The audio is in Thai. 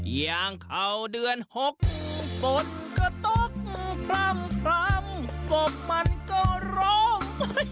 ยางเข้าเดือน๖ฝนก็ตกพร่ำกบมันก็ร้อง